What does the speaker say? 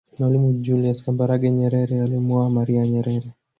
Mwalimu julius Kambarage Nyerere alimuoa maria Nyerere